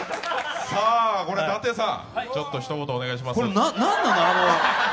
さあ、伊達さん、ひと言お願いします。